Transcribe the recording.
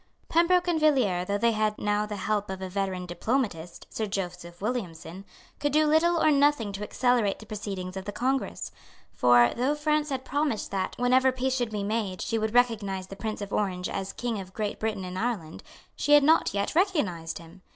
Pembroke and Villiers, though they had now the help of a veteran diplomatist, Sir Joseph Williamson, could do little or nothing to accelerate the proceedings of the Congress. For, though France had promised that, whenever peace should be made, she would recognise the Prince of Orange as King of Great Britain and Ireland, she had not yet recognised him.